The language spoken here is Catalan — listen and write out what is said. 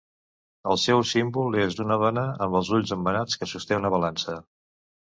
El seu símbol és una dona amb els ulls embenats que sosté una balança.